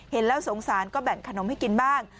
เห็นแล้วสงสารก็แบ่งขนมให้กินบ้าง